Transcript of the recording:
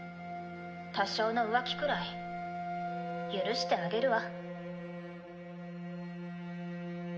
多少の浮気くらい許してあげるわ。